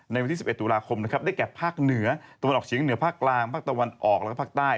ในวันที่๑๑ตุลาคมนะครับได้แก่ภาคเหนือตะวันออกเฉียงเหนือภาคกลางภาคตะวันออกแล้วก็ภาคใต้